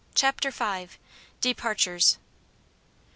CHAPTER V. DEPARTURES.